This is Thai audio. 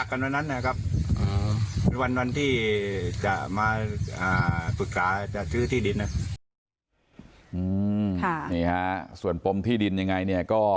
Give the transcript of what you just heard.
ก็ให้ทางตับหลุดเขาลองขยายไป